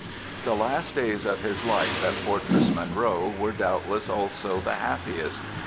The last days of his life at Fortress Monroe were doubtless also the happiest.